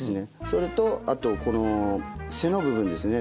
それとあとこの背の部分ですね